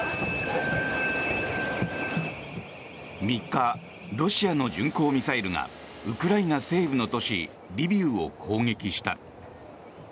３日、ロシアの巡航ミサイルがウクライナ西部の都市リビウを攻撃した。